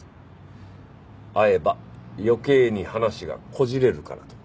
会えば余計に話がこじれるからと。